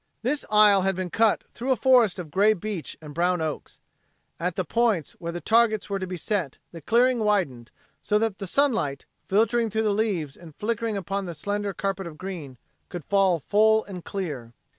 This aisle had been cut through a forest of gray beech and brown oaks. At the points where the targets were to be set the clearing widened so that the sunlight, filtering through the leaves and flickering upon the slender carpet of green, could fall full and clear.